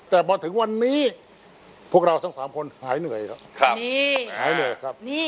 แต่พอถึงวันนี้พวกเราทั้ง๓คนหายเหนื่อยครับ